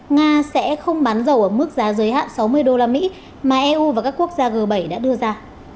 nga sẽ không bán dầu ở mức giá giới hạn sáu mươi đô la mỹ mà eu và các quốc gia g bảy đã đưa ra